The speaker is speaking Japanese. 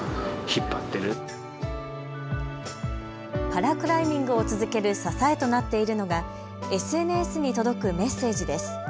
パラクライミングを続ける支えとなっているのがＳＮＳに届くメッセージです。